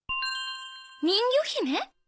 『人魚姫』？